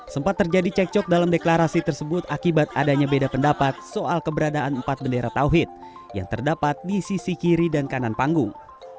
sempat terjadi cekcok dalam deklarasi tersebut akibat adanya beda pendapat soal keberadaan empat bendera tauhid yang terdapat di sisi kiri dan kanan panggung